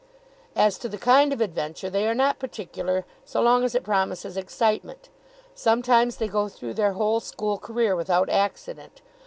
As to the kind of adventure, they are not particular so long as it promises excitement. Sometimes they go through their whole school career without accident.